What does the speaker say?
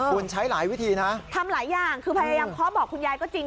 คุณใช้หลายวิธีนะทำหลายอย่างคือพยายามเคาะบอกคุณยายก็จริง